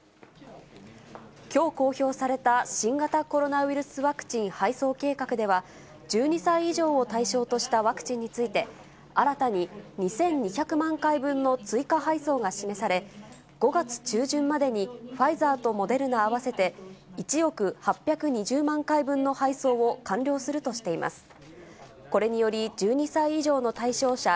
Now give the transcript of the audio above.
きょう公表された新型コロナウイルスワクチン配送計画では、１２歳以上を対象としたワクチンについて、新たに２２００万回分の追加配送が示され、５月中旬までにファイザーとモデルナ合わせて１億８２０万回分の配送を完了するとしています。